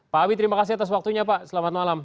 pak abi terima kasih atas waktunya pak selamat malam